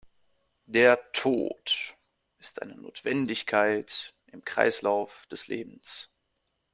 Der Tod ist eine Notwendigkeit im Kreislauf des Lebens.